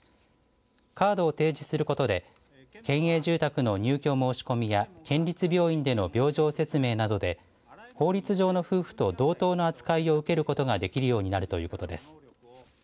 カードを提示することで県営住宅の入居申し込みや県立病院での病状説明などで法律上の夫婦と同等の扱いを受けることができるようになるということです。